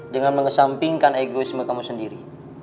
dengan mengesampingkan egoisme kamu sendiri